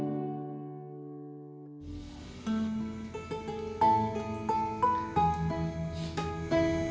rasanya baru kemarin ceng